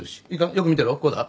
よく見てろこうだ。